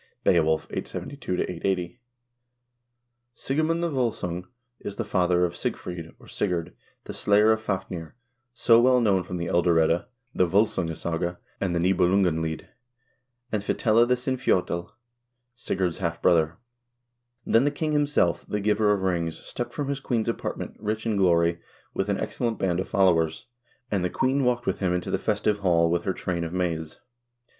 — "Beowulf," 872 880. Sigemund the W0lsung is the father of Siegfried, or Sigurd, the slayer of Fafnir, so well known from the " Elder Edda," the " V0lsungasaga," and the "Nibelungenlied," and Fitela is Sinfjotle, Sigurd's half brother. "Then the king himself, the giver of rings, stepped from his queen's apartment, rich in glory, with an excellent band of followers, and the queen walked with him into the festive hall with her train of maids."